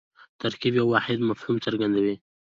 ترکیب یو واحد مفهوم څرګندوي.